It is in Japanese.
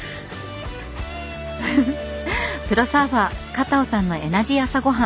フフフプロサーファー加藤さんのエナジー朝ごはん。